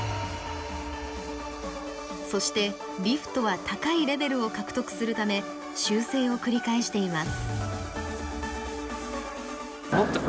そしてリフトは高いレベルを獲得するため修正を繰り返しています。